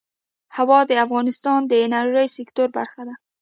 هوا د افغانستان د انرژۍ سکتور برخه ده.